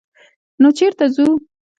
_نو چېرته ځو؟